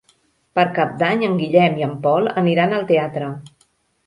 Per Cap d'Any en Guillem i en Pol aniran al teatre.